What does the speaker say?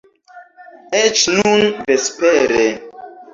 Eĉ nun, vespere.